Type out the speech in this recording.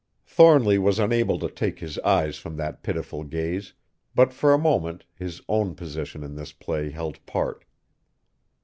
Thornly was unable to take his eyes from that pitiful gaze, but for a moment his own position in this play held part.